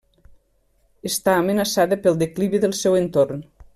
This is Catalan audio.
Està amenaçada pel declivi del seu entorn.